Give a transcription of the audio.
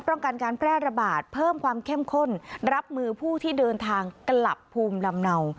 ป้องกันการแพร่ระบาดเพิ่มความเข้มข้นรับมือผู้ที่เดินทางกลับภูมิลำเนา